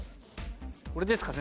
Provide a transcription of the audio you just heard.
これですか？